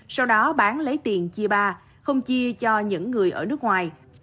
sau đó bán lấy tiền chia ba không chia cho những người ở nước ngoài